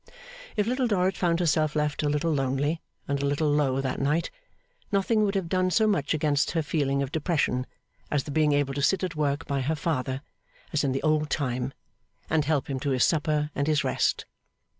If Little Dorrit found herself left a little lonely and a little low that night, nothing would have done so much against her feeling of depression as the being able to sit at work by her father, as in the old time, and help him to his supper and his rest.